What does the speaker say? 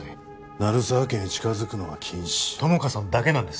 鳴沢家に近づくのは禁止友果さんだけなんです